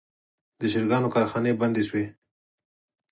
د چرګانو کارخانې بندې شوي.